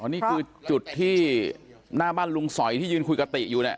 นี่คือจุดที่หน้าบ้านลุงสอยที่ยืนคุยกับติอยู่เนี่ย